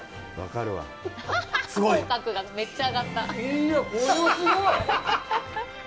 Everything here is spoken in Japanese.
いやっ、これはすごい！